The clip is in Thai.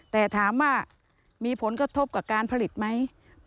แต่ถามว่ามีผลกระทบกับการผลิตไหม